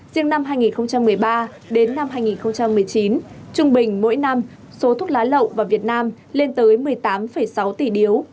riêng năm hai nghìn một mươi ba đến năm hai nghìn một mươi chín trung bình mỗi năm số thuốc lá lậu vào việt nam lên tới một mươi tám sáu tỷ điếu